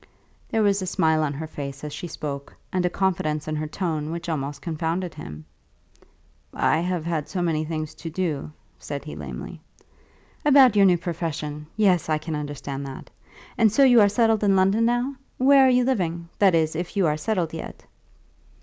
There was a smile on her face as she spoke, and a confidence in her tone which almost confounded him. "I have had so many things to do," said he lamely. "About your new profession. Yes, I can understand that. And so you are settled in London now? Where are you living; that is, if you are settled yet?"